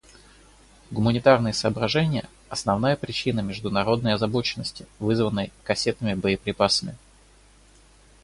Гуманитарные соображения — основная причина международной озабоченности, вызванной кассетными боеприпасами.